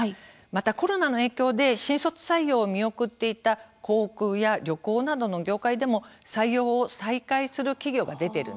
またコロナの影響で新卒採用を見送っていた航空や旅行などの業界でも採用を再開する企業が出てるんです。